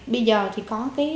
bây giờ thì có cái